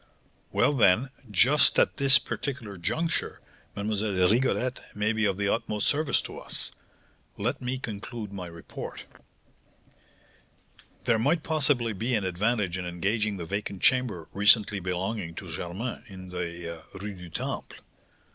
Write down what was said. "Well, then, just at this particular juncture Mlle. Rigolette may be of the utmost service to us. Let me conclude my report: "There might possibly be an advantage in engaging the vacant chamber recently belonging to Germain, in the Rue du Temple.